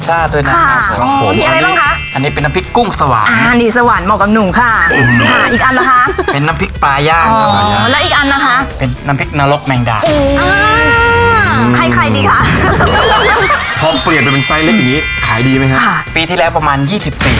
ใช่มินิครับสวัสดีครับน้ำพริกอร่อยใหม่ไซส์มินิครับสวัสดีครับน้ำพริกอร่อยใหม่ไซส์มินิครับสวัสดีครับน้ำพริกอร่อยใหม่ไซส์มินิครับสวัสดีครับน้ำพริกอร่อยใหม่ไซส์มินิครับสวัสดีครับน้ำพริกอร่อยใหม่ไซส์มินิครับสวัสดีครับน้ำพริกอร่อย